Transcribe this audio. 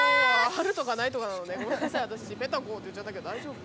「ある」とか「ない」とかなのねごめんなさい私「ぺったんこ」って言っちゃったけど大丈夫？